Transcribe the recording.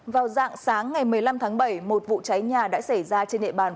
vào dạng sáng ngày một mươi năm tháng bảy một vụ cháy nhà đã xảy ra trên địa bàn